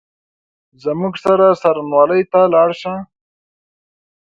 زموږ سره څارنوالۍ ته ولاړ شه !